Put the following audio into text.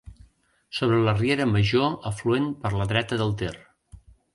Sobre la Riera Major afluent per la dreta del Ter.